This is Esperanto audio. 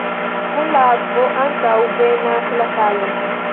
Kun la akvo ankaŭ venas la salo.